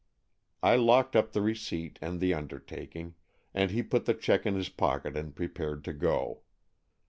I locked up the receipt and the undertaking, and he put the cheque in his pocket and prepared to go.